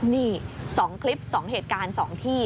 นี่๒คลิป๒เหตุการณ์๒ที่